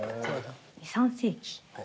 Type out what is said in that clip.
２３世紀。